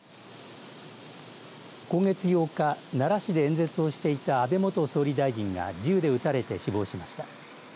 今月８日、奈良市で演説をしていた安倍元総理大臣が銃で撃たれて死亡しました。